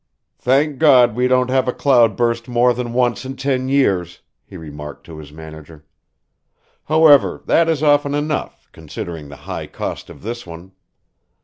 "Thank God we don't have a cloud burst more than once in ten years," he remarked to his manager. "However, that is often enough, considering the high cost of this one.